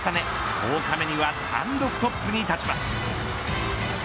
１０日目には単独トップに立ちます。